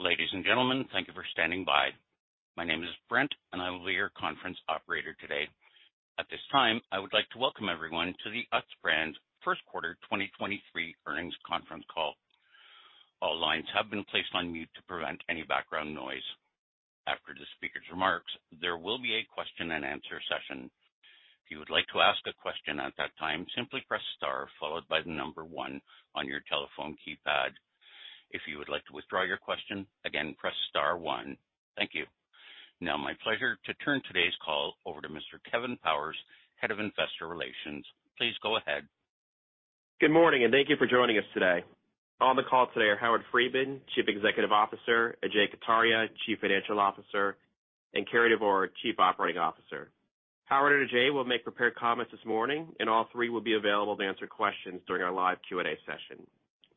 Ladies and gentlemen, thank you for standing by. My name is Brent. I will be your conference operator today. At this time, I would like to welcome everyone to the Utz Brands First Quarter 2023 Earnings Conference Call. All lines have been placed on mute to prevent any background noise. After the speaker's remarks, there will be a question-and-answer session. If you would like to ask a question at that time, simply press star followed by number one on your telephone keypad. If you would like to withdraw your question, again, press star one. Thank you. My pleasure to turn today's call over to Mr. Kevin Powers, Head of Investor Relations. Please go ahead. Good morning, and thank you for joining us today. On the call today are Howard Friedman, Chief Executive Officer, Ajay Kataria, Chief Financial Officer, and Cary Devore, Chief Operating Officer. Howard and Ajay will make prepared comments this morning, and all three will be available to answer questions during our live Q&A session.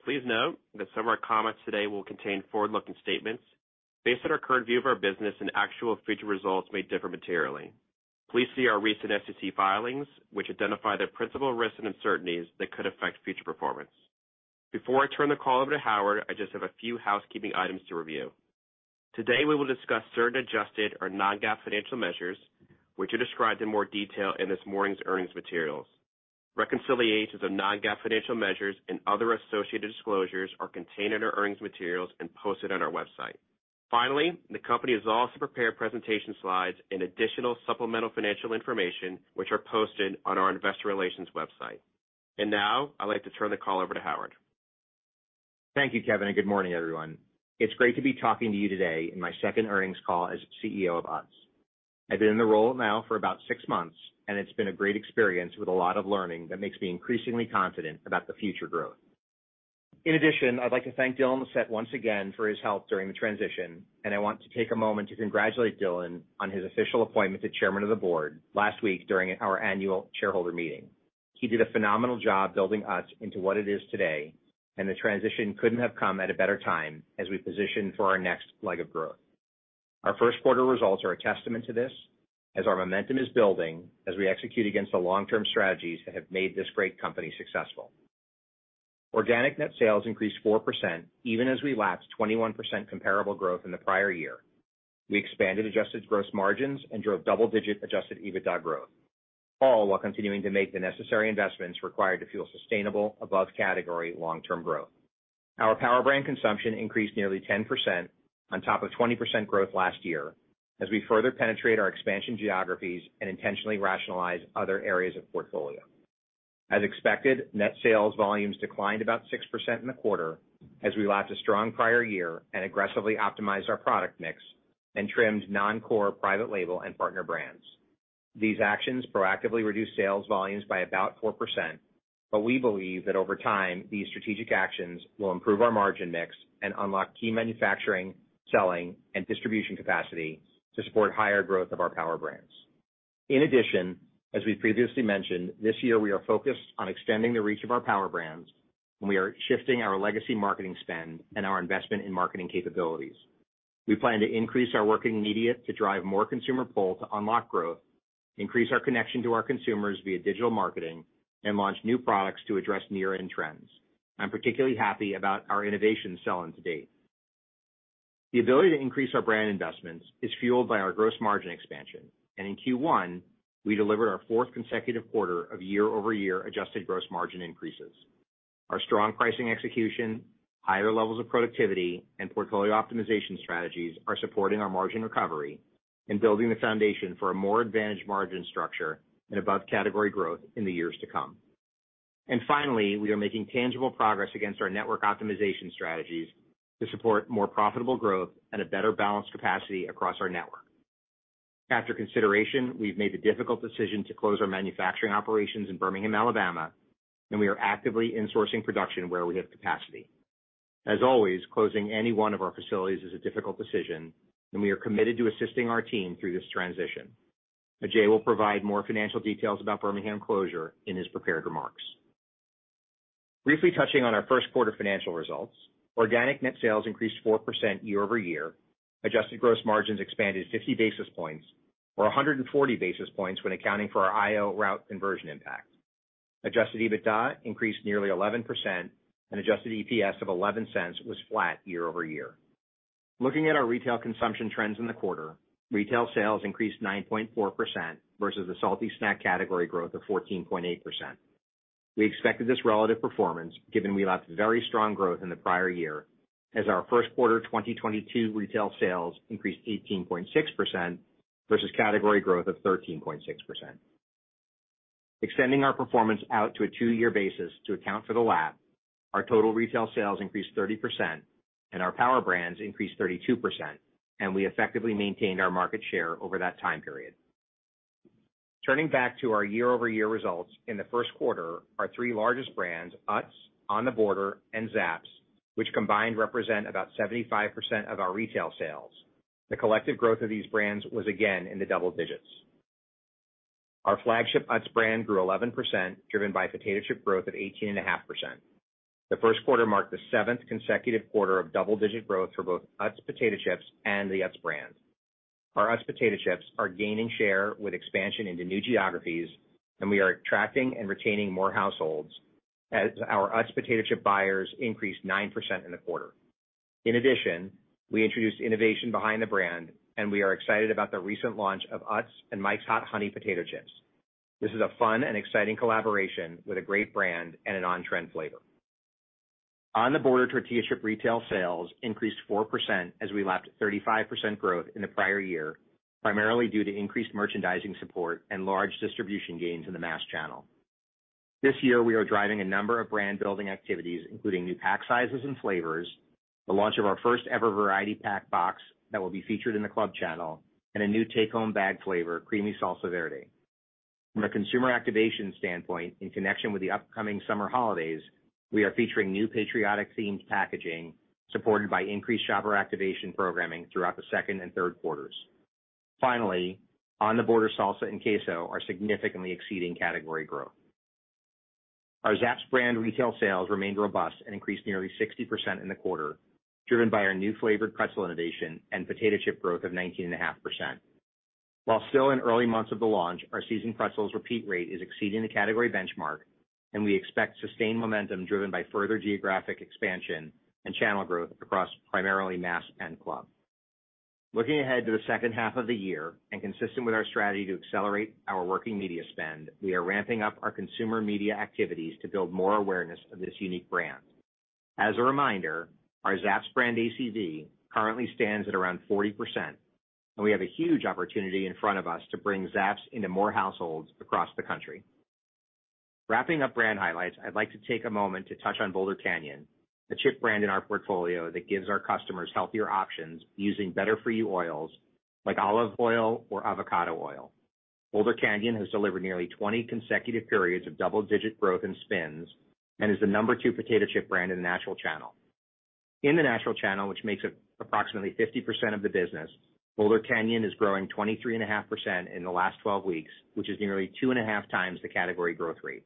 Please note that some of our comments today will contain forward-looking statements based on our current view of our business and actual future results may differ materially. Please see our recent SEC filings, which identify the principal risks and uncertainties that could affect future performance. Before I turn the call over to Howard, I just have a few housekeeping items to review. Today, we will discuss certain adjusted or non-GAAP financial measures, which are described in more detail in this morning's earnings materials. Reconciliations of non-GAAP financial measures and other associated disclosures are contained in our earnings materials and posted on our website. Finally, the company has also prepared presentation slides and additional supplemental financial information, which are posted on our investor relations website. Now, I'd like to turn the call over to Howard. Thank you, Kevin. Good morning, everyone. It's great to be talking to you today in my second earnings call as CEO of Utz. I've been in the role now for about six months. It's been a great experience with a lot of learning that makes me increasingly confident about the future growth. In addition, I'd like to thank Dylan Lissette once again for his help during the transition. I want to take a moment to congratulate Dylan on his official appointment to Chairman of the Board last week during our annual shareholder meeting. He did a phenomenal job building Utz into what it is today. The transition couldn't have come at a better time as we position for our next leg of growth. Our first quarter results are a testament to this as our momentum is building as we execute against the long-term strategies that have made this great company successful. Organic net sales increased 4% even as we lapped 21% comparable growth in the prior year. We expanded adjusted gross margins and drove double-digit adjusted EBITDA growth, all while continuing to make the necessary investments required to fuel sustainable above category long-term growth. Our power brand consumption increased nearly 10% on top of 20% growth last year as we further penetrate our expansion geographies and intentionally rationalize other areas of portfolio. As expected, net sales volumes declined about 6% in the quarter as we lapped a strong prior year and aggressively optimized our product mix and trimmed non-core private label and partner brands. These actions proactively reduced sales volumes by about 4%. We believe that over time, these strategic actions will improve our margin mix and unlock key manufacturing, selling, and distribution capacity to support higher growth of our power brands. In addition, as we previously mentioned, this year we are focused on extending the reach of our power brands. We are shifting our legacy marketing spend and our investment in marketing capabilities. We plan to increase our working media to drive more consumer pull to unlock growth, increase our connection to our consumers via digital marketing, and launch new products to address near-end trends. I'm particularly happy about our innovation selling to date. The ability to increase our brand investments is fueled by our gross margin expansion. In Q1, we delivered our fourth consecutive quarter of year-over-year adjusted gross margin increases. Our strong pricing execution, higher levels of productivity, and portfolio optimization strategies are supporting our margin recovery and building the foundation for a more advantaged margin structure and above category growth in the years to come. Finally, we are making tangible progress against our network optimization strategies to support more profitable growth and a better balanced capacity across our network. After consideration, we've made the difficult decision to close our manufacturing operations in Birmingham, Alabama, and we are actively insourcing production where we have capacity. As always, closing any one of our facilities is a difficult decision, and we are committed to assisting our team through this transition. Ajay will provide more financial details about Birmingham closure in his prepared remarks. Briefly touching on our first quarter financial results, organic net sales increased 4% year-over-year. Adjusted gross margins expanded 50 basis points or 140 basis points when accounting for our IO route conversion impact. Adjusted EBITDA increased nearly 11% and adjusted EPS of $0.11 was flat year-over-year. Looking at our retail consumption trends in the quarter, retail sales increased 9.4% versus the salty snack category growth of 14.8%. We expected this relative performance given we left very strong growth in the prior year as our first quarter 2022 retail sales increased 18.6% versus category growth of 13.6%. Extending our performance out to a 2-year basis to account for the lap, our total retail sales increased 30% and our power brands increased 32%, and we effectively maintained our market share over that time period. Turning back to our year-over-year results in the first quarter, our three largest brands, Utz, On The Border, and Zapp's, which combined represent about 75% of our retail sales. The collective growth of these brands was again in the double digits. Our flagship Utz brand grew 11%, driven by potato chip growth of 18.5%. The first quarter marked the seventh consecutive quarter of double-digit growth for both Utz Potato Chips and the Utz brand. Our Utz Potato Chips are gaining share with expansion into new geographies, and we are attracting and retaining more households as our Utz Potato Chip buyers increased 9% in the quarter. In addition, we introduced innovation behind the brand, and we are excited about the recent launch of Utz and Mike's Hot Honey Potato Chips. This is a fun and exciting collaboration with a great brand and an on-trend flavor. On The Border Tortilla Chip retail sales increased 4% as we lapped 35% growth in the prior year, primarily due to increased merchandising support and large distribution gains in the mass channel. This year, we are driving a number of brand-building activities, including new pack sizes and flavors, the launch of our first-ever variety pack box that will be featured in the club channel, and a new take-home bag flavor, creamy salsa verde. From a consumer activation standpoint, in connection with the upcoming summer holidays, we are featuring new patriotic themed packaging supported by increased shopper activation programming throughout the second and third quarters. Finally, On The Border Salsa and Queso are significantly exceeding category growth. Our Zapp's brand retail sales remained robust and increased nearly 60% in the quarter, driven by our new flavored pretzel innovation and potato chip growth of 19.5%. While still in early months of the launch, our seasoned pretzels repeat rate is exceeding the category benchmark. We expect sustained momentum driven by further geographic expansion and channel growth across primarily mass and club. Looking ahead to the second half of the year, consistent with our strategy to accelerate our working media spend, we are ramping up our consumer media activities to build more awareness of this unique brand. As a reminder, our Zapp's brand ACV currently stands at around 40%, and we have a huge opportunity in front of us to bring Zapp's into more households across the country. Wrapping up brand highlights, I'd like to take a moment to touch on Boulder Canyon, the chip brand in our portfolio that gives our customers healthier options using better-for-you oils like olive oil or avocado oil. Boulder Canyon has delivered nearly 20 consecutive periods of double-digit growth in spends and is the number two potato chip brand in the natural channel. In the natural channel, which makes up approximately 50% of the business, Boulder Canyon is growing 23.5% in the last 12 weeks, which is nearly 2.5 times the category growth rate.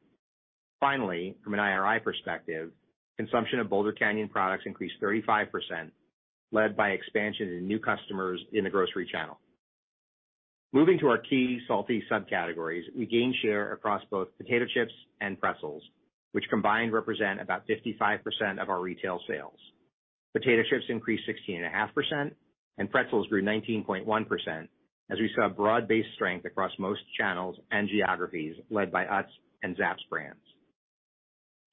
Finally, from an IRI perspective, consumption of Boulder Canyon products increased 35%, led by expansion into new customers in the grocery channel. Moving to our key salty subcategories, we gained share across both potato chips and pretzels, which combined represent about 55% of our retail sales. Potato chips increased 16.5%, and pretzels grew 19.1% as we saw broad-based strength across most channels and geographies led by Utz and Zapp's brands.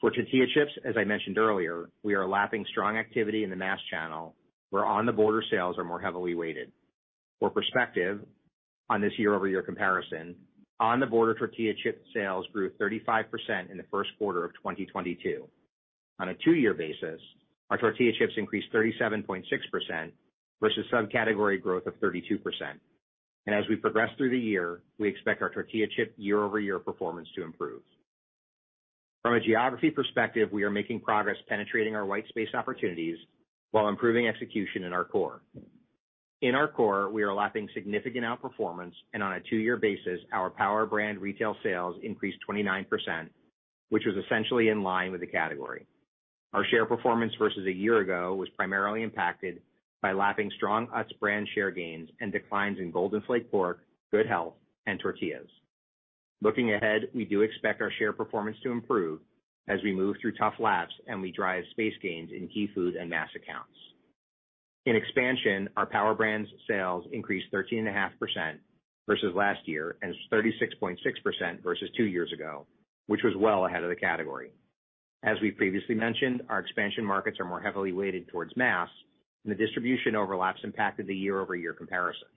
For tortilla chips, as I mentioned earlier, we are lapping strong activity in the mass channel, where On The Border sales are more heavily weighted. For perspective on this year-over-year comparison, On The Border tortilla chip sales grew 35% in the first quarter of 2022. On a 2-year basis, our tortilla chips increased 37.6% versus subcategory growth of 32%. As we progress through the year, we expect our tortilla chip year-over-year performance to improve. From a geography perspective, we are making progress penetrating our white space opportunities while improving execution in our core. In our core, we are lapping significant outperformance. On a 2-year basis, our power brand retail sales increased 29%, which was essentially in line with the category. Our share performance versus a year ago was primarily impacted by lapping strong Utz brand share gains and declines in Golden Flake pork, Good Health, and tortillas. Looking ahead, we do expect our share performance to improve as we move through tough laps and we drive space gains in key food and mass accounts. In expansion, our power brands sales increased 13.5% versus last year and 36.6% versus two years ago, which was well ahead of the category. As we previously mentioned, our expansion markets are more heavily weighted towards mass, and the distribution overlaps impacted the year-over-year comparison.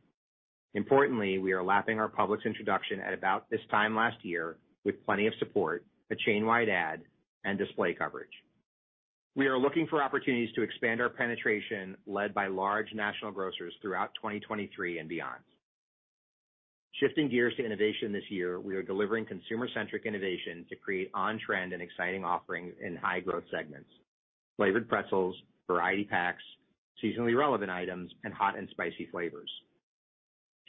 Importantly, we are lapping our Publix introduction at about this time last year with plenty of support, a chain-wide ad, and display coverage. We are looking for opportunities to expand our penetration led by large national grocers throughout 2023 and beyond. Shifting gears to innovation this year, we are delivering consumer-centric innovation to create on-trend and exciting offerings in high growth segments: flavored pretzels, variety packs, seasonally relevant items, and hot and spicy flavors.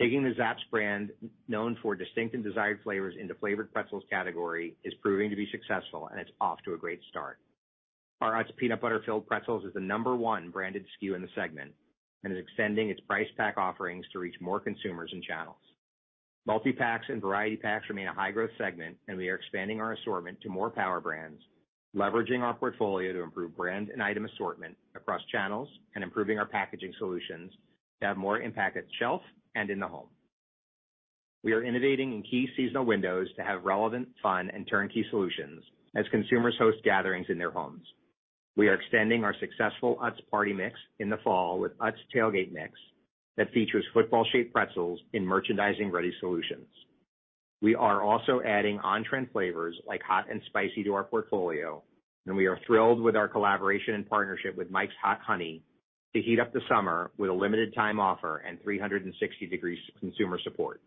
Taking the Zapp's brand, known for distinct and desired flavors into flavored pretzels category, is proving to be successful, and it's off to a great start. Our Utz Peanut Butter Filled Pretzels is the number one branded SKU in the segment and is extending its price pack offerings to reach more consumers and channels. Multi-packs and variety packs remain a high-growth segment, and we are expanding our assortment to more power brands, leveraging our portfolio to improve brand and item assortment across channels, and improving our packaging solutions to have more impact at shelf and in the home. We are innovating in key seasonal windows to have relevant, fun, and turnkey solutions as consumers host gatherings in their homes. We are extending our successful Utz Party Mix in the fall with Utz Tailgate Mix that features football-shaped pretzels in merchandising-ready solutions. We are also adding on-trend flavors like hot and spicy to our portfolio, and we are thrilled with our collaboration and partnership with Mike's Hot Honey to heat up the summer with a limited time offer and 360 degrees consumer support.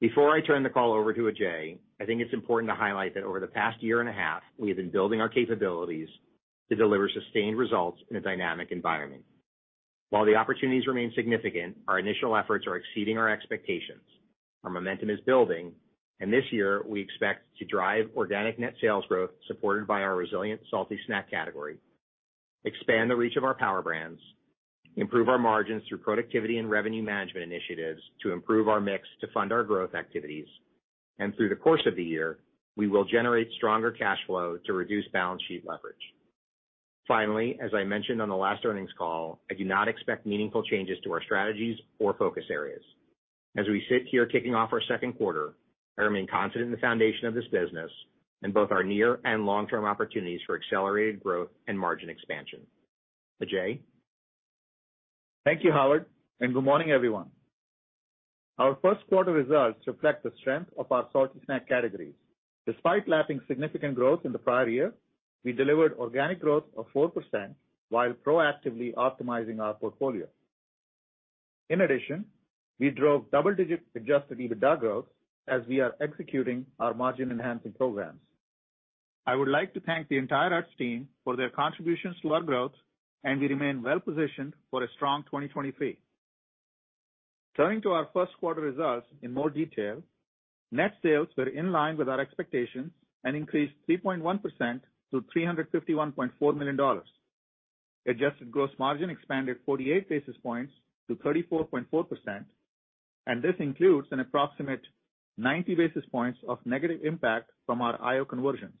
Before I turn the call over to Ajay, I think it's important to highlight that over the past year and a half, we have been building our capabilities to deliver sustained results in a dynamic environment. While the opportunities remain significant, our initial efforts are exceeding our expectations. Our momentum is building. This year we expect to drive organic net sales growth supported by our resilient salty snack category. Expand the reach of our power brands, improve our margins through productivity and revenue management initiatives to improve our mix to fund our growth activities. Through the course of the year, we will generate stronger cash flow to reduce balance sheet leverage. Finally, as I mentioned on the last earnings call, I do not expect meaningful changes to our strategies or focus areas. As we sit here kicking off our second quarter, I remain confident in the foundation of this business in both our near and long-term opportunities for accelerated growth and margin expansion. Ajay? Thank you, Howard, and good morning, everyone. Our first quarter results reflect the strength of our salty snack categories. Despite lapping significant growth in the prior year, we delivered organic growth of 4% while proactively optimizing our portfolio. In addition, we drove double-digit adjusted EBITDA growth as we are executing our margin-enhancing programs. I would like to thank the entire Utz team for their contributions to our growth, and we remain well positioned for a strong 2023. Turning to our first quarter results in more detail, net sales were in line with our expectations and increased 3.1% to $351.4 million. Adjusted gross margin expanded 48 basis points to 34.4%, and this includes an approximate 90 basis points of negative impact from our IO conversions.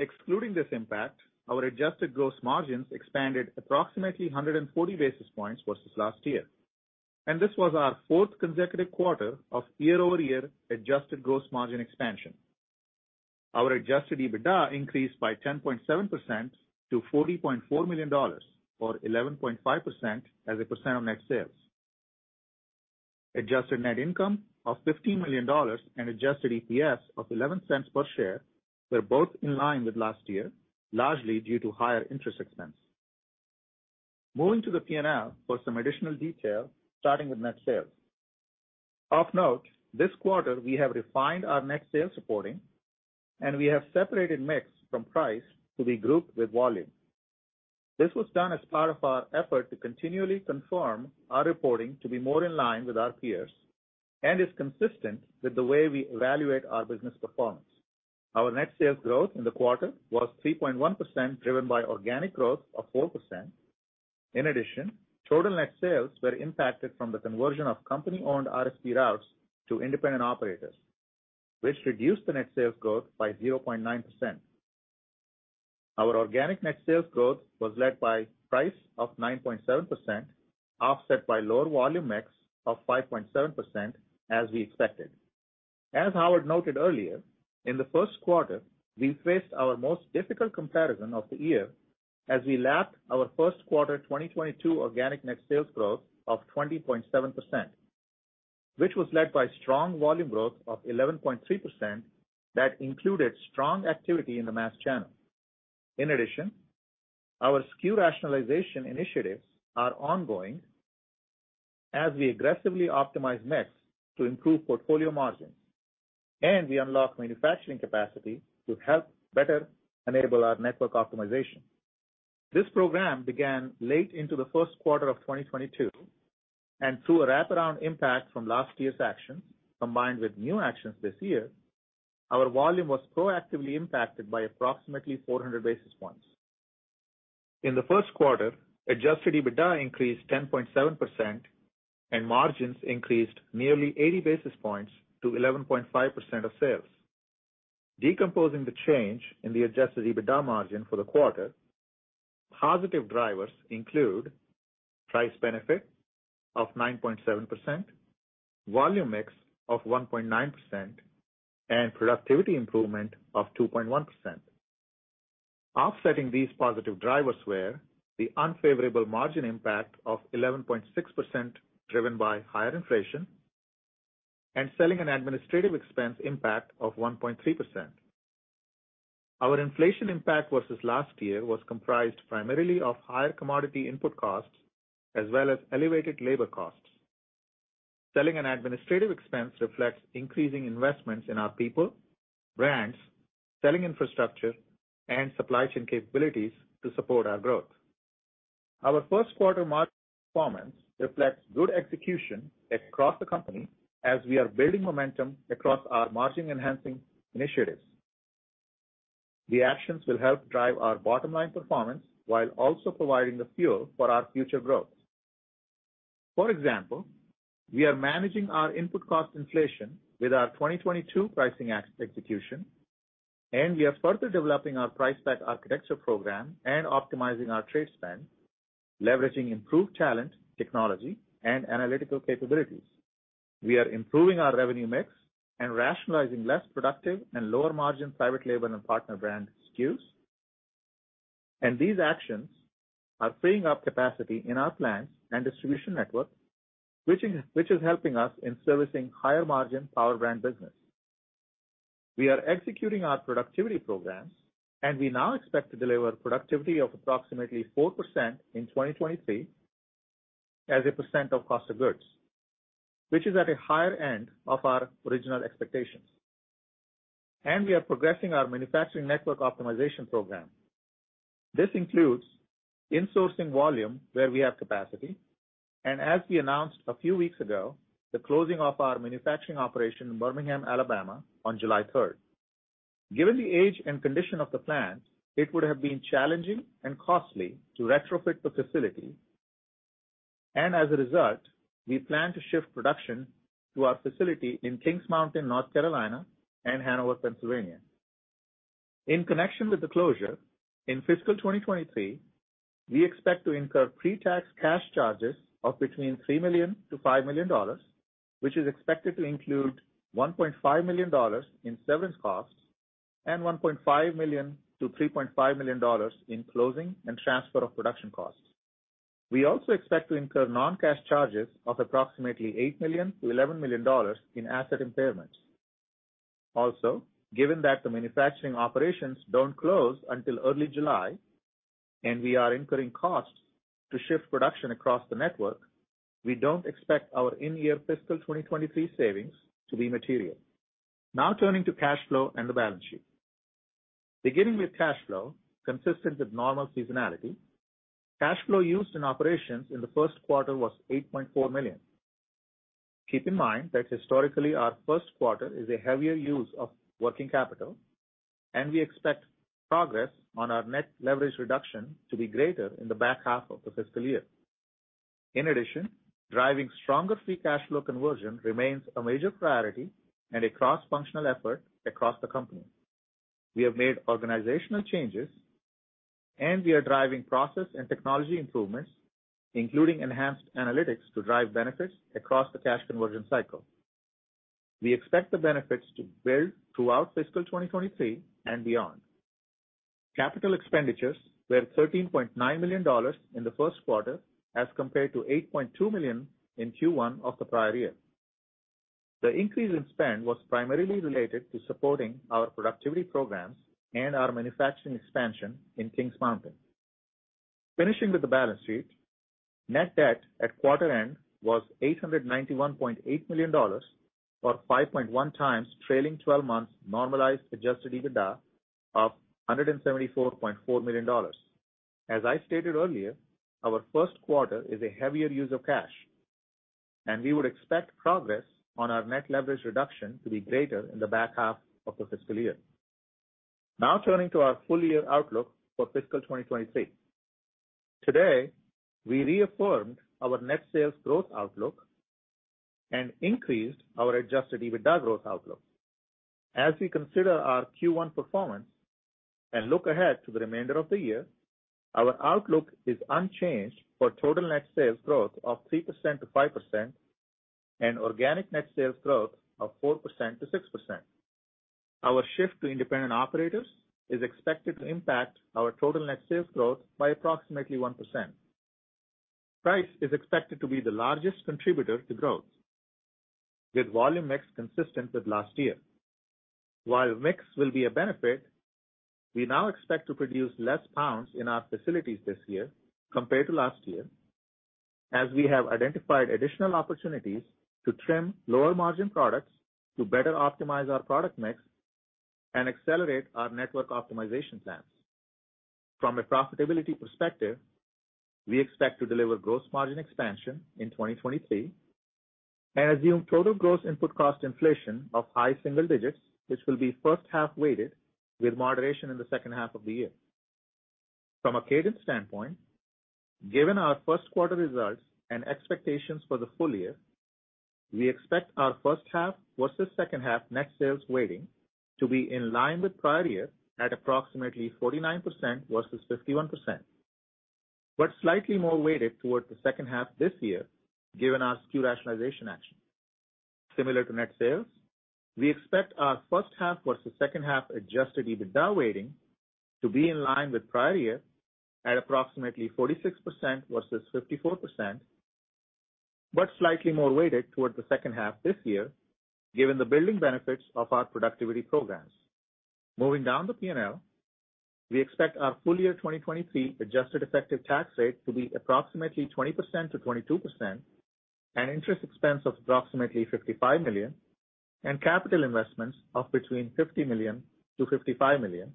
Excluding this impact, our adjusted gross margins expanded approximately 140 basis points versus last year. This was our fourth consecutive quarter of year-over-year adjusted gross margin expansion. Our adjusted EBITDA increased by 10.7% to $40.4 million, or 11.5% as a percent of net sales. Adjusted net income of $15 million and adjusted EPS of $0.11 per share were both in line with last year, largely due to higher interest expense. Moving to the P&L for some additional detail, starting with net sales. Of note, this quarter we have refined our net sales reporting. We have separated mix from price to be grouped with volume. This was done as part of our effort to continually confirm our reporting to be more in line with our peers and is consistent with the way we evaluate our business performance. Our net sales growth in the quarter was 3.1%, driven by organic growth of 4%. Total net sales were impacted from the conversion of company-owned RSP routes to independent operators, which reduced the net sales growth by 0.9%. Our organic net sales growth was led by price of 9.7%, offset by lower volume mix of 5.7% as we expected. As Howard noted earlier, in the first quarter we faced our most difficult comparison of the year as we lapped our first quarter 2022 organic net sales growth of 20.7%, which was led by strong volume growth of 11.3% that included strong activity in the mass channel. In addition, our SKU rationalization initiatives are ongoing as we aggressively optimize mix to improve portfolio margins, and we unlock manufacturing capacity to help better enable our network optimization. This program began late into the first quarter of 2022, and through a wraparound impact from last year's actions, combined with new actions this year, our volume was proactively impacted by approximately 400 basis points. In the first quarter, adjusted EBITDA increased 10.7% and margins increased nearly 80 basis points to 11.5% of sales. Decomposing the change in the adjusted EBITDA margin for the quarter, positive drivers include price benefit of 9.7%, volume mix of 1.9%, and productivity improvement of 2.1%. Offsetting these positive drivers were the unfavorable margin impact of 11.6% driven by higher inflation and selling and administrative expense impact of 1.3%. Our inflation impact versus last year was comprised primarily of higher commodity input costs as well as elevated labor costs. Selling and administrative expense reflects increasing investments in our people, brands, selling infrastructure, and supply chain capabilities to support our growth. Our first quarter margin performance reflects good execution across the company as we are building momentum across our margin-enhancing initiatives. The actions will help drive our bottom-line performance while also providing the fuel for our future growth. For example, we are managing our input cost inflation with our 2022 pricing act execution. We are further developing our Price Pack Architecture program and optimizing our trade spend, leveraging improved talent, technology, and analytical capabilities. We are improving our revenue mix and rationalizing less productive and lower-margin private label and partner brand SKUs. These actions are freeing up capacity in our plants and distribution network, which is helping us in servicing higher-margin power brand business. We are executing our productivity programs. We now expect to deliver productivity of approximately 4% in 2023 as a percent of cost of goods, which is at a higher end of our original expectations. We are progressing our manufacturing network optimization program. This includes insourcing volume where we have capacity. As we announced a few weeks ago, the closing of our manufacturing operation in Birmingham, Alabama on July 3rd. Given the age and condition of the plant, it would have been challenging and costly to retrofit the facility. As a result, we plan to shift production to our facility in Kings Mountain, North Carolina, and Hanover, Pennsylvania. In connection with the closure, in fiscal 2023, we expect to incur pre-tax cash charges of between $3 million-$5 million, which is expected to include $1.5 million in severance costs, and $1.5 million-$3.5 million in closing and transfer of production costs. We also expect to incur non-cash charges of approximately $8 million-$11 million in asset impairments. Given that the manufacturing operations don't close until early July, and we are incurring costs to shift production across the network, we don't expect our in-year fiscal 2023 savings to be material. Turning to cash flow and the balance sheet. Beginning with cash flow consistent with normal seasonality, cash flow used in operations in the first quarter was $8.4 million. Keep in mind that historically, our first quarter is a heavier use of working capital, and we expect progress on our net leverage reduction to be greater in the back half of the fiscal year. Driving stronger free cash flow conversion remains a major priority and a cross-functional effort across the company. We have made organizational changes, and we are driving process and technology improvements, including enhanced analytics to drive benefits across the cash conversion cycle. We expect the benefits to build throughout fiscal 2023 and beyond. Capital expenditures were $13.9 million in the first quarter as compared to $8.2 million in Q1 of the prior year. The increase in spend was primarily related to supporting our productivity programs and our manufacturing expansion in Kings Mountain. Finishing with the balance sheet, net debt at quarter end was $891.8 million, or 5.1x trailing twelve months Normalized Adjusted EBITDA of $174.4 million. As I stated earlier, our first quarter is a heavier use of cash, and we would expect progress on our net leverage reduction to be greater in the back half of the fiscal year. Now turning to our full-year outlook for fiscal 2023. Today, we reaffirmed our net sales growth outlook and increased our adjusted EBITDA growth outlook. As we consider our Q1 performance and look ahead to the remainder of the year, our outlook is unchanged for total net sales growth of 3%-5%, and organic net sales growth of 4%-6%. Our shift to independent operators is expected to impact our total net sales growth by approximately 1%. Price is expected to be the largest contributor to growth, with volume mix consistent with last year. While mix will be a benefit, we now expect to produce less pounds in our facilities this year compared to last year, as we have identified additional opportunities to trim lower-margin products to better optimize our product mix and accelerate our network optimization plans. From a profitability perspective, we expect to deliver gross margin expansion in 2023 and assume total gross input cost inflation of high single digits, which will be first half-weighted with moderation in the second half of the year. From a cadence standpoint, given our first quarter results and expectations for the full-year, we expect our first half versus second half net sales weighting to be in line with prior year at approximately 49% versus 51%, but slightly more weighted towards the second half this year given our SKU rationalization action. Similar to net sales, we expect our first half versus second half adjusted EBITDA weighting to be in line with prior year at approximately 46% versus 54%, but slightly more weighted towards the second half this year, given the building benefits of our productivity programs. Moving down the P&L, we expect our full-year 2023 adjusted effective tax rate to be approximately 20%-22%,, and interest expense of approximately $55 million and capital investments of between $50 million-$55 million,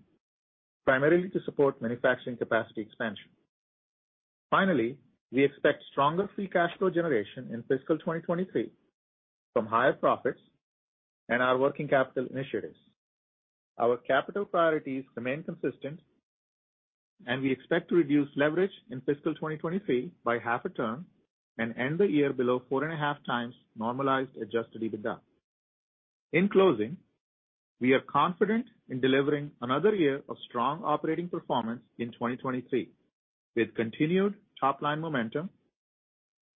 primarily to support manufacturing capacity expansion. Finally, we expect stronger free cash flow generation in fiscal 2023 from higher profits and our working capital initiatives. Our capital priorities remain consistent, and we expect to reduce leverage in fiscal 2023 by half a turn and end the year below four and a half times Normalized Adjusted EBITDA. In closing, we are confident in delivering another year of strong operating performance in 2023, with continued top-line momentum,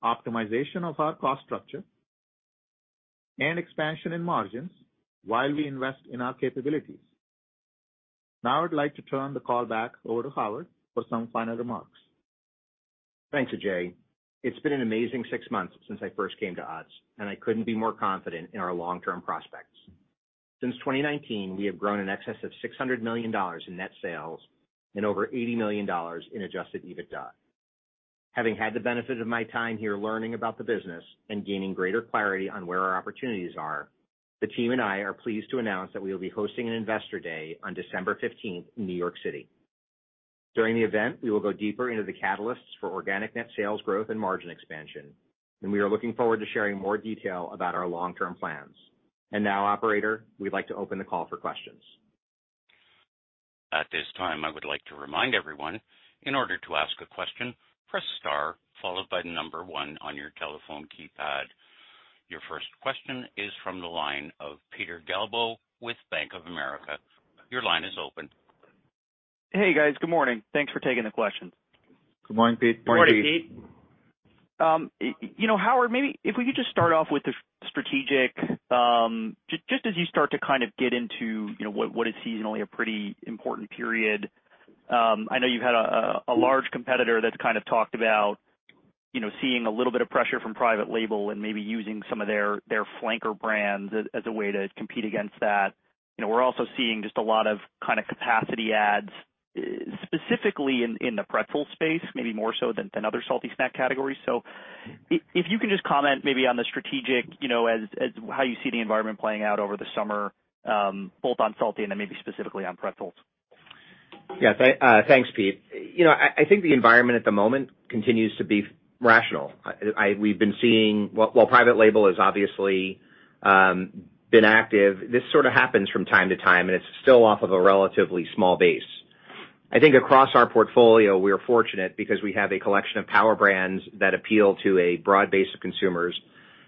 optimization of our cost structure, and expansion in margins while we invest in our capabilities. Now I'd like to turn the call back over to Howard for some final remarks. Thanks, Ajay. It's been an amazing six months since I first came to Utz, and I couldn't be more confident in our long-term prospects. Since 2019, we have grown in excess of $600 million in net sales and over $80 million in adjusted EBITDA. Having had the benefit of my time here learning about the business and gaining greater clarity on where our opportunities are, the team and I are pleased to announce that we will be hosting an investor day on December 15th in New York City. During the event, we will go deeper into the catalysts for organic net sales growth and margin expansion, we are looking forward to sharing more detail about our long-term plans. Now, operator, we'd like to open the call for questions. At this time, I would like to remind everyone, in order to ask a question, press star followed by number one on your telephone keypad. Your first question is from the line of Peter Galbo with Bank of America. Your line is open. Hey, guys. Good morning. Thanks for taking the questions. Good morning, Pete. Good morning, Pete. Howard, maybe if we could just start off with the strategic, just as you start to kind of get into, you know, what is seasonally a pretty important period, I know you've had a large competitor that's kind of talked about, you know, seeing a little bit of pressure from private label and maybe using some of their flanker brands as a way to compete against that. You know, we're also seeing just a lot of kind of capacity adds, specifically in the pretzel space, maybe more so than other salty snack categories. If you can just comment maybe on the strategic, you know, as how you see the environment playing out over the summer, both on salty and then maybe specifically on pretzels? Yeah. Thanks, Pete. You know, I think the environment at the moment continues to be rational. We've been seeing while private label has obviously been active, this sort of happens from time to time, and it's still off of a relatively small base. I think across our portfolio, we are fortunate because we have a collection of power brands that appeal to a broad base of consumers,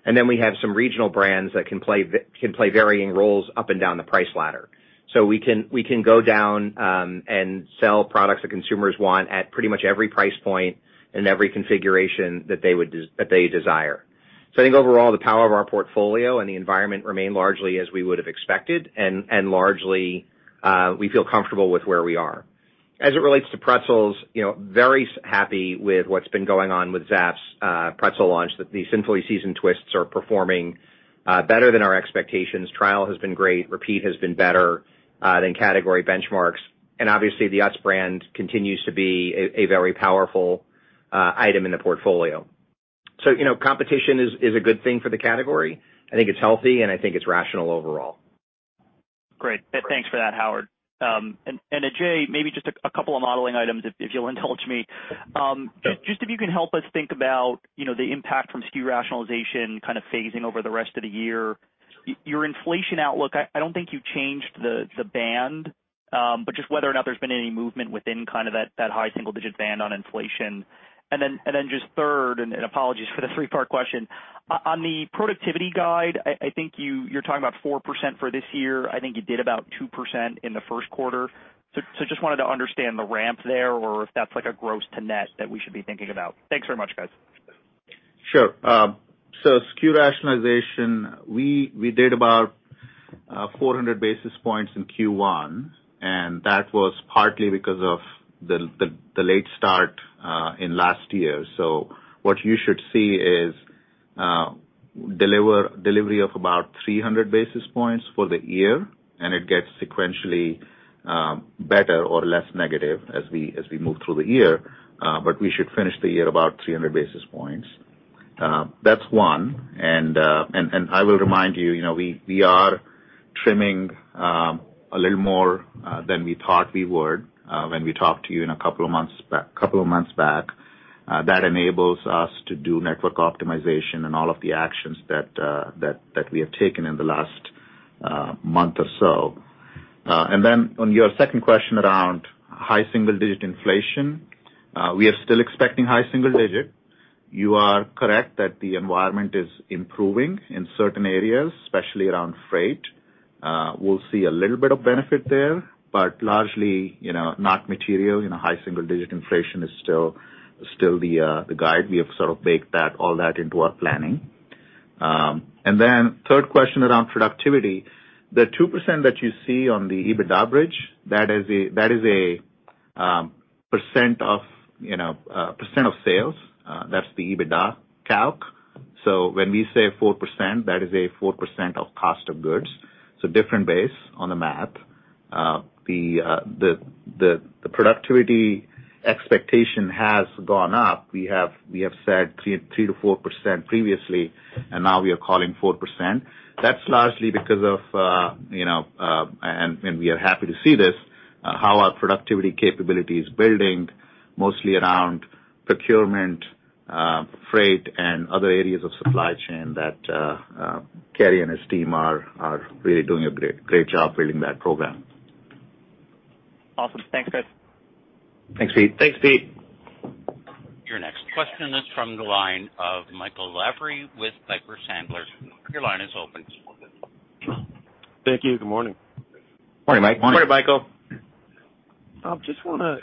and then we have some regional brands that can play varying roles up and down the price ladder. We can, we can go down, and sell products that consumers want at pretty much every price point and every configuration that they would that they desire. I think overall, the power of our portfolio and the environment remain largely as we would have expected and, largely, we feel comfortable with where we are. As it relates to pretzels, you know, very happy with what's been going on with Zapp's pretzel launch. The Simply Seasoned Twists are performing better than our expectations. Trial has been great. Repeat has been better than category benchmarks. Obviously, the Utz brand continues to be a very powerful item in the portfolio. You know, competition is a good thing for the category. I think it's healthy, and I think it's rational overall. Great. Thanks for that, Howard. Ajay, maybe just a couple of modeling items, if you'll indulge me. Just if you can help us think about, you know, the impact from SKU rationalization kind of phasing over the rest of the year. Your inflation outlook, I don't think you've changed the band, but just whether or not there's been any movement within kind of that high single digit band on inflation. Then just third, and apologies for the three-part question. On the productivity guide, I think you're talking about 4% for this year. I think you did about 2% in the first quarter. Just wanted to understand the ramp there or if that's like a gross to net that we should be thinking about. Thanks very much, guys. Sure. SKU rationalization, we did about 400 basis points in Q1, and that was partly because of the late start in last year. What you should see is delivery of about 300 basis points for the year, and it gets sequentially better or less negative as we move through the year. We should finish the year about 300 basis points. That's one. I will remind you know, we are trimming a little more than we thought we would, when we talked to you in a couple of months back. That enables us to do network optimization and all of the actions that we have taken in the last month or so. And then on your second question around high single-digit inflation, we are still expecting high single-digit. You are correct that the environment is improving in certain areas, especially around freight. We'll see a little bit of benefit there, but largely, you know, not material. You know, high single-digit inflation is still the guide. We have sort of baked that, all that into our planning. And then third question around productivity. The 2% that you see on the EBITDA bridge, that is a percent of, you know, a percent of sales. That's the EBITDA calc. When we say 4%, that is a 4% of cost of goods, so different base on the math. The productivity expectation has gone up. We have said 3%-4% previously, and now we are calling 4%. That's largely because of, you know, and we are happy to see this, how our productivity capability is building mostly around procurement, freight, and other areas of supply chain that Cary and his team are really doing a great job building that program. Awesome. Thanks, guys. Thanks, Pete. Thanks, Pete. Your next question is from the line of Michael Lavery with Piper Sandler. Your line is open. Thank you. Good morning. Morning, Mike. Morning, Michael. Just wanna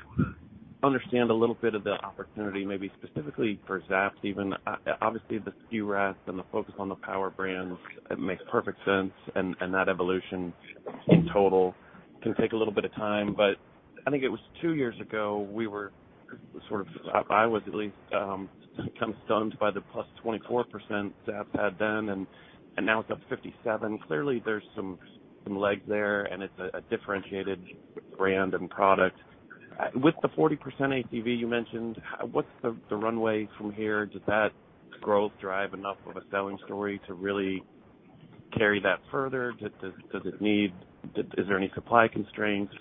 understand a little bit of the opportunity, maybe specifically for Zapp's even. Obviously, the SKU rationalization and the focus on the power brands, it makes perfect sense and that evolution in total can take a little bit of time. I think it was 2 years ago, we were sort of I was at least kind of stunned by the +24% Zapp's had then, and now it's up 57%. Clearly, there's some legs there, and it's a differentiated brand and product. With the 40% ACV you mentioned, what's the runway from here? Does that growth drive enough of a selling story to really carry that further? Is there any supply constraints?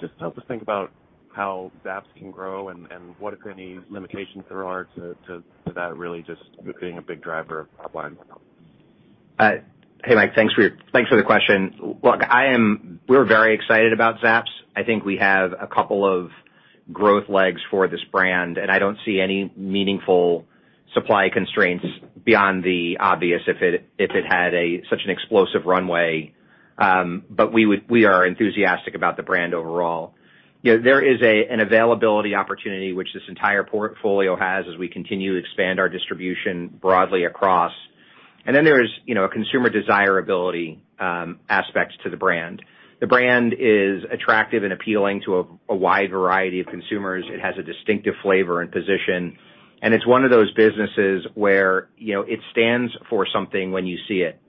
Just help us think about how Zapp's can grow and what, if any, limitations there are to that really just being a big driver of top line growth. Hey, Mike, thanks for the question. Look, we're very excited about Zapp's. I think we have a couple of growth legs for this brand, I don't see any meaningful supply constraints beyond the obvious if it, if it had a such an explosive runway. But we are enthusiastic about the brand overall. You know, there is a, an availability opportunity which this entire portfolio has as we continue to expand our distribution broadly across. Then there's, you know, consumer desirability, aspects to the brand. The brand is attractive and appealing to a wide variety of consumers. It has a distinctive flavor and position, and it's one of those businesses where, you know, it stands for something when you see it.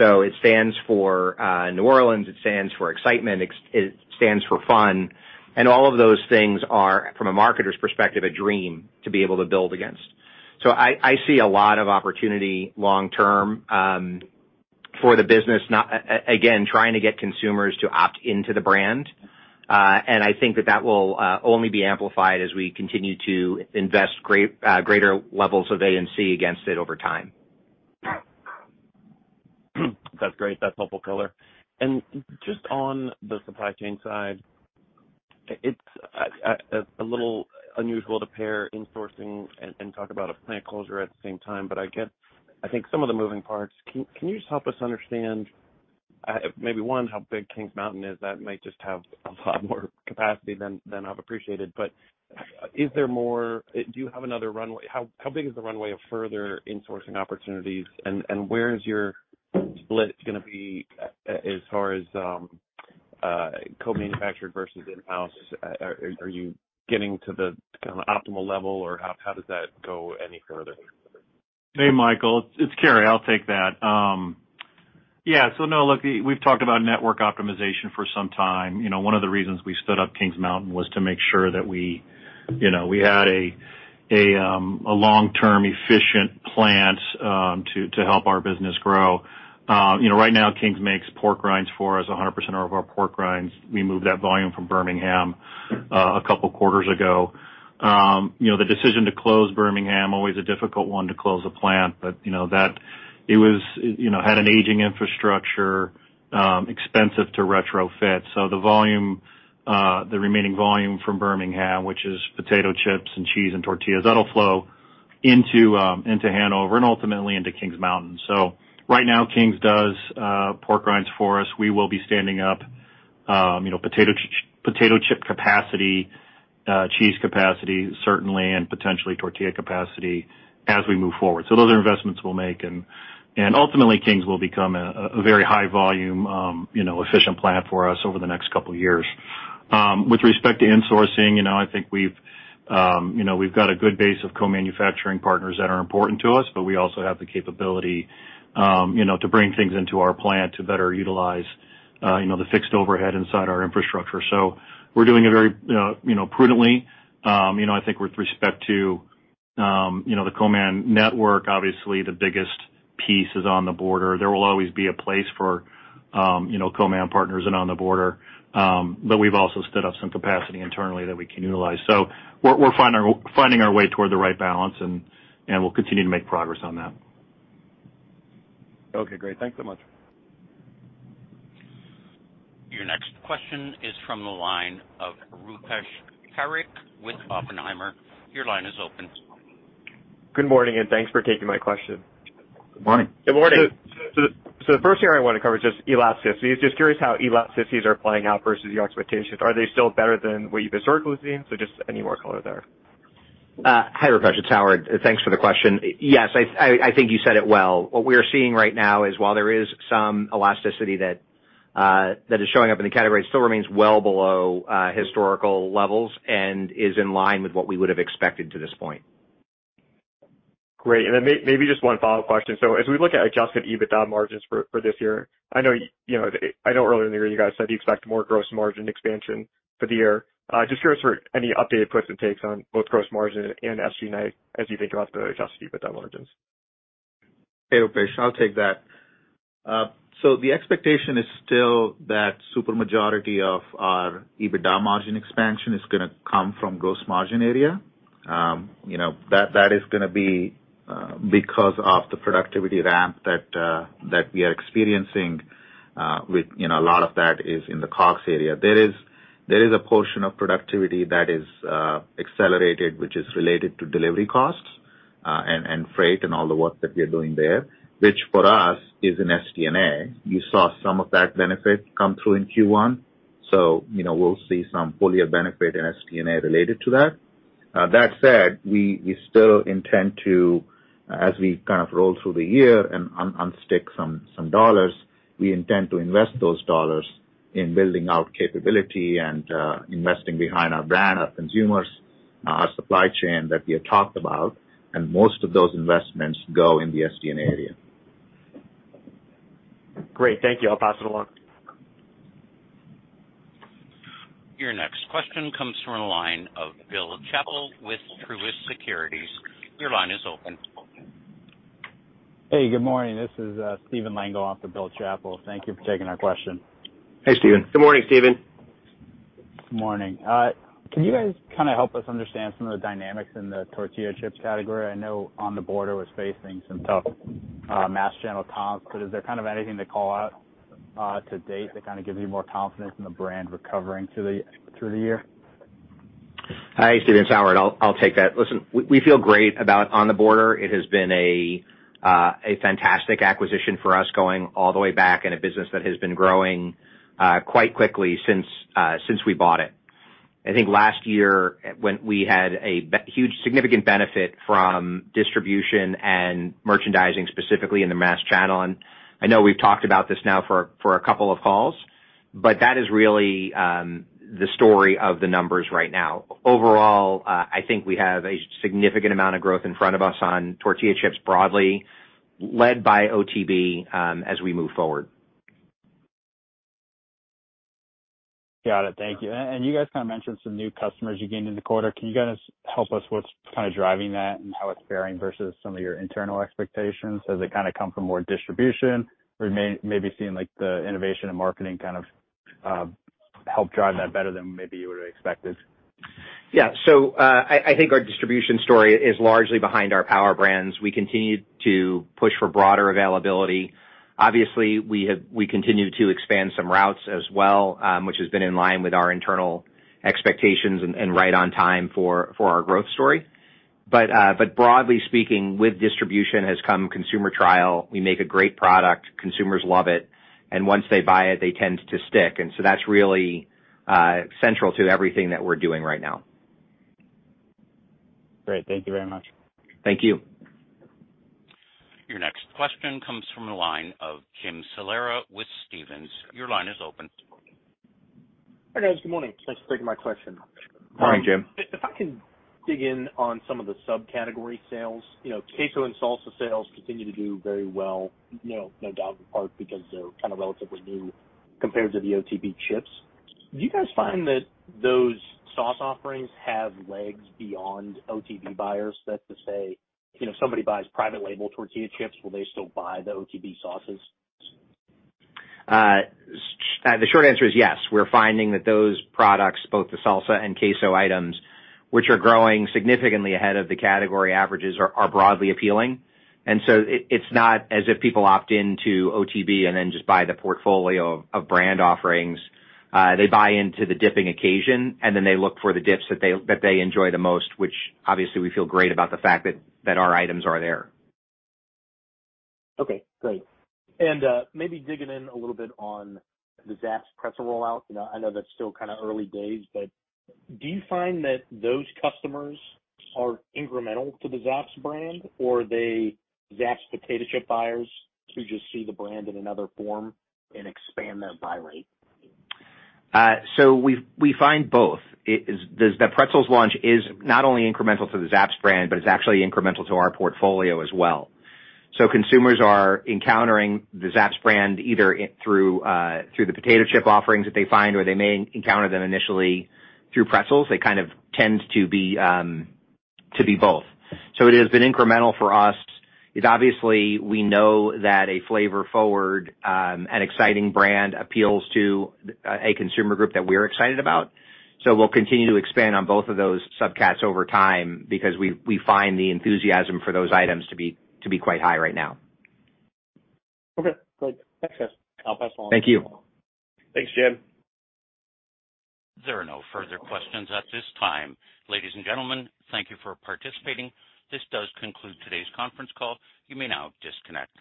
It stands for New Orleans, it stands for excitement, it stands for fun. All of those things are, from a marketer's perspective, a dream to be able to build against. I see a lot of opportunity long term for the business, not again, trying to get consumers to opt into the brand. I think that that will only be amplified as we continue to invest great, greater levels of AMC against it over time. That's great. That's helpful color. Just on the supply chain side, it's a little unusual to pair insourcing and talk about a plant closure at the same time, but I get, I think, some of the moving parts. Can you just help us understand, maybe one, how big Kings Mountain is? That might just have a lot more capacity than I've appreciated. Is there more? Do you have another runway? How big is the runway of further insourcing opportunities? Where is your split gonna be as far as co-manufactured versus in-house? Are you getting to the kind of optimal level, or how does that go any further? Hey, Michael, it's Cary. I'll take that. Yeah, no. Look, we've talked about network optimization for some time. You know, one of the reasons we stood up Kings Mountain was to make sure that we, you know, we had a long-term efficient plant to help our business grow. You know, right now Kings makes pork rinds for us, 100% of our pork rinds. We moved that volume from Birmingham a couple quarters ago. You know, the decision to close Birmingham, always a difficult one to close a plant, that it was, had an aging infrastructure, expensive to retrofit. The volume, the remaining volume from Birmingham, which is potato chips and cheese and tortillas, that'll flow into Hanover and ultimately into Kings Mountain. Right now, Kings does pork rinds for us. We will be standing up, you know, potato chip capacity, cheese capacity, certainly, and potentially tortilla capacity as we move forward. Those are investments we'll make. Ultimately, Kings will become a very high volume, you know, efficient plant for us over the next couple years. With respect to insourcing, you know, I think we've, you know, we've got a good base of co-manufacturing partners that are important to us, but we also have the capability, you know, to bring things into our plant to better utilize, you know, the fixed overhead inside our infrastructure. We're doing it very, you know, prudently. I think with respect to, you know, the co-man network, obviously the biggest piece is On The Border. There will always be a place for, you know, co-man partners and On The Border, but we've also stood up some capacity internally that we can utilize. We're finding our way toward the right balance and we'll continue to make progress on that. Okay, great. Thanks so much. Your next question is from the line of Rupesh Parikh with Oppenheimer. Your line is open. Good morning. Thanks for taking my question. Good morning. Good morning. The first area I wanna cover is just elasticity. Just curious how elasticities are playing out versus your expectations. Are they still better than what you historically have seen? Just any more color there. Hi, Rupesh, it's Howard. Thanks for the question. Yes, I think you said it well. What we are seeing right now is while there is some elasticity that is showing up in the category, it still remains well below historical levels and is in line with what we would have expected to this point. Great. Maybe just one follow-up question. As we look at adjusted EBITDA margins for this year, I know, you know, I know earlier in the year you guys said you expect more gross margin expansion for the year. Just curious for any updated puts and takes on both gross margin and SG&A as you think about the adjusted EBITDA margins. Hey, Rupesh, I'll take that. The expectation is still that super majority of our EBITDA margin expansion is gonna come from gross margin area. You know, that is gonna be because of the productivity ramp that we are experiencing with, you know, a lot of that is in the COGS area. There is, there is a portion of productivity that is accelerated, which is related to delivery costs and freight and all the work that we are doing there, which for us is in SG&A. You saw some of that benefit come through in Q1, you know, we'll see some full-year benefit in SG&A related to that. That said, we still intend to, as we kind of roll through the year and unstick some dollars, we intend to invest those dollars in building out capability and investing behind our brand, our consumers, our supply chain that we had talked about, and most of those investments go in the SG&A area. Great. Thank you. I'll pass it along. Question comes from the line of Bill Chappell with Truist Securities. Your line is open. Hey, good morning. This is Stephen Lengel off of Bill Chappell. Thank you for taking our question. Hey, Stephen. Good morning, Stephen. Good morning. Can you guys kinda help us understand some of the dynamics in the tortilla chips category? I know On The Border was facing some tough mass channel comps, but is there kind of anything to call out to date that kind of gives you more confidence in the brand recovering through the, through the year? Hi, Stephen. It's Howard. I'll take that. Listen, we feel great about On The Border. It has been a fantastic acquisition for us going all the way back, and a business that has been growing quite quickly since we bought it. I think last year when we had a huge, significant benefit from distribution and merchandising, specifically in the mass channel, and I know we've talked about this now for a couple of calls, but that is really the story of the numbers right now. Overall, I think we have a significant amount of growth in front of us on tortilla chips broadly led by OTB as we move forward. Got it. Thank you. You guys kinda mentioned some new customers you gained in the quarter. Can you guys help us what's kinda driving that and how it's faring versus some of your internal expectations? Does it kinda come from more distribution or maybe seeing like the innovation and marketing kind of help drive that better than maybe you would've expected? I think our distribution story is largely behind our Power Brands. We continue to push for broader availability. Obviously, we continue to expand some routes as well, which has been in line with our internal expectations and right on time for our growth story. Broadly speaking, with distribution has come consumer trial. We make a great product. Consumers love it. Once they buy it, they tend to stick. That's really central to everything that we're doing right now. Great. Thank you very much. Thank you. Your next question comes from the line of Jim Salera with Stephens. Your line is open. Hi, guys. Good morning. Thanks for taking my question. Morning, Jim. If I can dig in on some of the subcategory sales. You know, Queso and Salsa sales continue to do very well, you know, no doubt in part because they're kind of relatively new compared to the OTB chips. Do you guys find that those sauce offerings have legs beyond OTB buyers? That's to say, you know, if somebody buys private label tortilla chips, will they still buy the OTB sauces? The short answer is yes. We're finding that those products, both the salsa and queso items, which are growing significantly ahead of the category averages, are broadly appealing. It's not as if people opt into OTB and then just buy the portfolio of brand offerings. They buy into the dipping occasion, and then they look for the dips that they enjoy the most, which obviously we feel great about the fact that our items are there. Okay, great. Maybe digging in a little bit on the Zapp's pretzel rollout. You know, I know that's still kind of early days, but do you find that those customers are incremental to the Zapp's brand, or are they Zapp's potato chip buyers who just see the brand in another form and expand their buy rate? We find both. The pretzels launch is not only incremental to the Zapp's brand, it's actually incremental to our portfolio as well. Consumers are encountering the Zapp's brand either through the potato chip offerings that they find or they may encounter them initially through pretzels. It kind of tends to be both. It has been incremental for us. It obviously we know that a flavor forward and exciting brand appeals to a consumer group that we're excited about. We'll continue to expand on both of those subcats over time because we find the enthusiasm for those items to be quite high right now. Okay, great. Thanks, guys. I'll pass along. Thank you. Thanks, Jim. There are no further questions at this time. Ladies and gentlemen, thank you for participating. This does conclude today's conference call. You may now disconnect.